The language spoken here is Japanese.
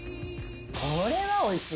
これはおいしい。